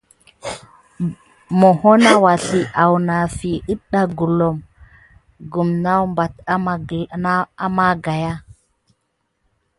Moho na ɓelaki lwanafi natda gulome nat kupate à ma kigaya.